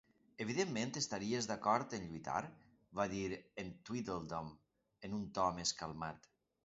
'Evidentment, estaries d'acord en lluitar?', va dir en Tweedledum en un to més calmat.